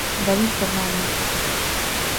David Fernández...